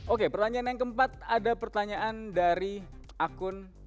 oke pertanyaan yang keempat ada pertanyaan dari akun